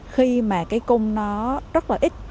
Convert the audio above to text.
khi mà cái cung nó rất là ít